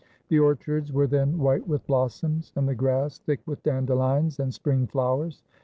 The orchards were then white with blossoms and the grass thick with dandelions and spring flowers.